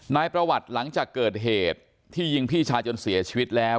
นายประวัติหลังจากเกิดเหตุที่ยิงพี่ชายจนเสียชีวิตแล้ว